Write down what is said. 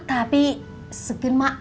tapi segin mak